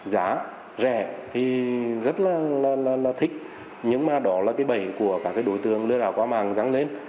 giá rẻ thì rất là thích nhưng mà đó là cái bẩy của các cái đối tượng lừa đảo qua màng ráng lên